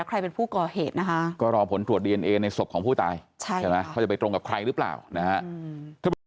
แบบพูดไล่หลังพูดไล่หลังจะพูดประจำ